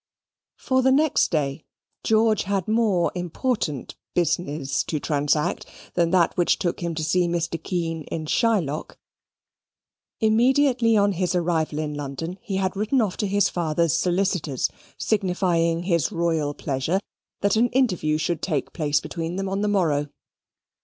For the next day, George had more important "business" to transact than that which took him to see Mr. Kean in Shylock. Immediately on his arrival in London he had written off to his father's solicitors, signifying his royal pleasure that an interview should take place between them on the morrow.